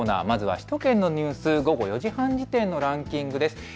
まずは首都圏のニュースの午後４時半時点のランキングです。